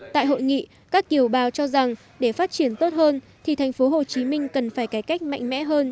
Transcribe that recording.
tại hội nghị các kiều bào cho rằng để phát triển tốt hơn thì tp hcm cần phải cải cách mạnh mẽ hơn